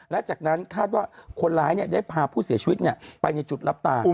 และจากนั้นคาดว่าคนร้ายได้พาผู้เสียชีวิตไปในจุดรับตา